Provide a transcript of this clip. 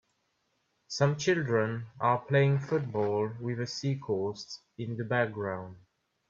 Some children are playing football with a seacoast in the background.